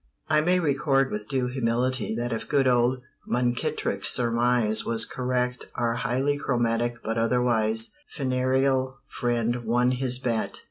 I may record with due humility that if good old Munkittrick's surmise was correct our highly chromatic but otherwise funereal friend won his bet.